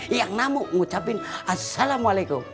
yang namanya ucapin assalamualaikum